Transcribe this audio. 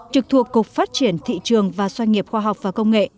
trực thuộc cục phát triển thị trường và xoay nghiệp khoa học và công nghệ